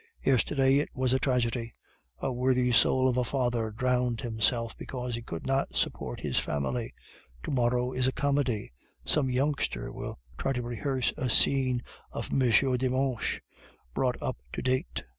Yesterday it was a tragedy. A worthy soul of a father drowned himself because he could not support his family. To morrow is a comedy; some youngster will try to rehearse the scene of M. Dimanche, brought up to date.